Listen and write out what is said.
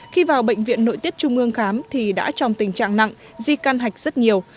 khi vào bệnh viện nội tiết trung ương khám thì đã trong tình trạng nặng di căn hạch rất nhiều